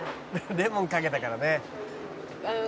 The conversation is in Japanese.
「レモンかけたからね」